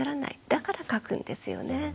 だから書くんですよね。